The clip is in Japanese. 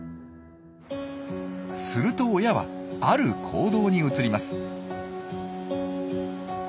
すると親はある行動に移ります。